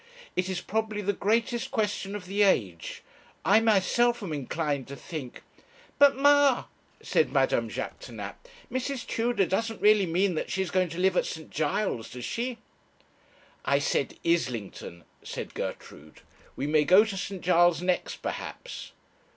It is probably the greatest question of the age. I myself am inclined to think ' 'But, ma,' said Madame Jaquêtanàpe, 'Mrs. Tudor doesn't really mean that she is going to live at St. Giles', does she?' 'I said Islington,' said Gertrude. 'We may go to St. Giles' next, perhaps.'